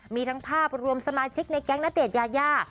มีทั้งภาพรวมสมาชิกในแก๊งณเดชนยายา